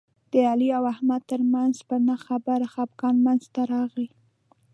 د علي او احمد ترمنځ په نه خبره خپګان منځ ته راغی.